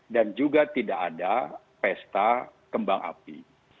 dan juga tidak ada pesta kembang api